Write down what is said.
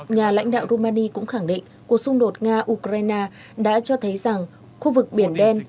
nhà lãnh đạo rumani cũng khẳng định cuộc xung đột nga ukraine đã cho thấy rằng khu vực biển đen